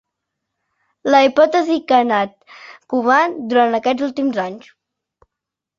La hipòtesi que ha anat covant durant aquests últims anys.